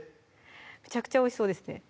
めちゃくちゃおいしそうですね